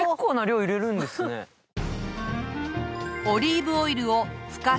オリーブオイルです。